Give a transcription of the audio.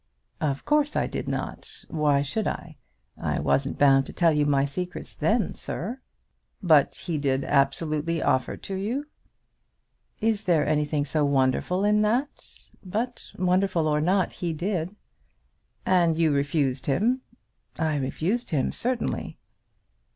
"Of course I did not. Why should I? I wasn't bound to tell you my secrets then, sir." "But he did absolutely offer to you?" "Is there anything so wonderful in that? But, wonderful or not, he did." "And you refused him?" "I refused him certainly."